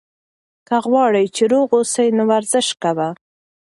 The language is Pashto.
که غواړې چې روغ اوسې، نو ورزش کوه.